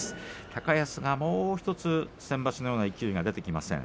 高安もうひとつ、先場所のような勢いが出てきません。